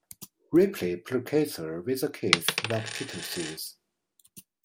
Ripley placates her with a kiss that Peter sees.